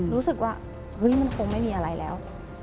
รู้สึกว่าเฮ้ยมันคงไม่มีอะไรแล้ว